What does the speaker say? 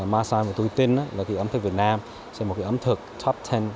masan và tôi tin ấm thực việt nam sẽ là ấm thực top một mươi